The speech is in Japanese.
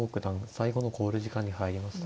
最後の考慮時間に入りました。